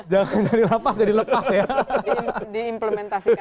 jangan dari lapas jadi lepas ya diimplementasikan